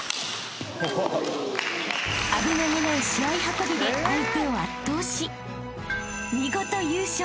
［危なげない試合運びで相手を圧倒し見事優勝］